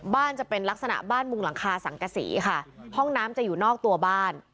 จะเป็นลักษณะบ้านมุงหลังคาสังกษีค่ะห้องน้ำจะอยู่นอกตัวบ้าน